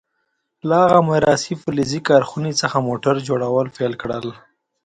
هغه له میراثي فلزي کارخونې څخه موټر جوړول پیل کړل.